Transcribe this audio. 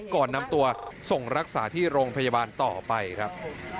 ก่อนนำตัวส่งรักษาที่โรงพยาบาลต่อไปครับ